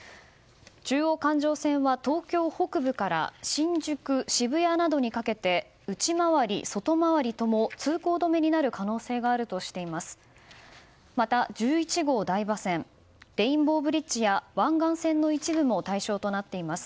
中央環状線は東京北部から新宿、渋谷などにかけて内回り、外回りとも通行止めになる可能性があるとしています。